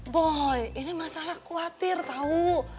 boy ini masalah khawatir tahu